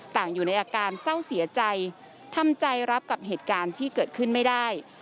อยู่ในอาการเศร้าเสียใจทำใจรับกับเหตุการณ์ที่เกิดขึ้นไม่ได้